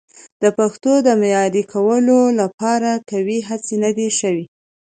د پښتو د معیاري کولو لپاره قوي هڅې نه دي شوي.